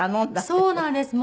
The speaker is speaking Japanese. そうなんです。